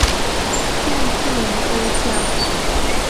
县治尼欧肖。